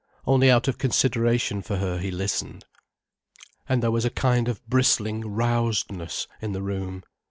Only out of consideration for her he listened. And there was a kind of bristling rousedness in the room.